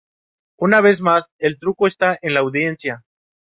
Una vez más, el truco está en la audiencia.